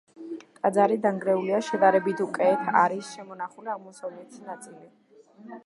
ტაძარი დანგრეულია, შედარებით უკეთ არის შემონახული აღმოსავლეთი ნაწილი.